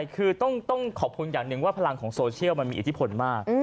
คือต้องขอบคุณอย่างหนึ่งว่าพลังของโซเชียลมันมีอิทธิพลมาก